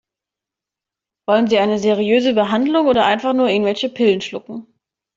Wollen Sie eine seriöse Behandlung oder einfach nur irgendwelche Pillen schlucken?